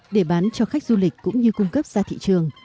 để bán cho khách du lịch cũng như cung cấp ra thị trường